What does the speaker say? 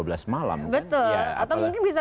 betul atau mungkin bisa